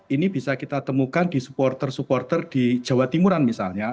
ini bisa kita temukan di supporter supporter di jawa timuran misalnya